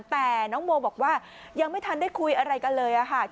แต่น้องโมบอกว่ายังไม่ทันได้คุยอะไรกันเลยค่ะ